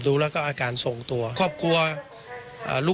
ส่งมาให้โอโนเฟอร์เรเวอร์